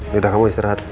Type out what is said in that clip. nida kamu istirahat